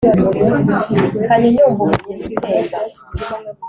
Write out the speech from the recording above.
Kanyonyomba.-Umugezi utemba.